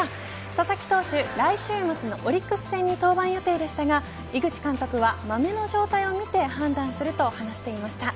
佐々木投手、来週末のオリックス戦に登板でしたが井口監督は、まめの状態を見て判断すると話していました。